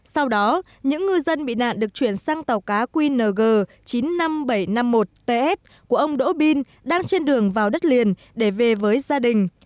sau đó những ngư dân bị nạn được chuyển sang tàu cá qng chín mươi năm nghìn bảy trăm năm mươi một ts của ông đỗ bin đang trên đường vào đất liền để về với gia đình